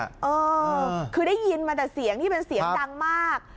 เออคือได้ยินมาแต่เสียงที่เป็นเสียงดังมาก